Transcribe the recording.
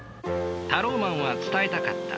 タローマンは伝えたかった。